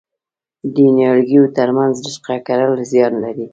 د نیالګیو ترمنځ رشقه کرل زیان لري؟